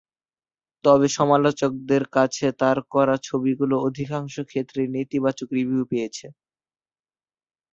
তবে সমালোচকদের কাছে তার করা ছবিগুলো অধিকাংশ ক্ষেত্রেই নেতিবাচক রিভিউ পেয়েছে।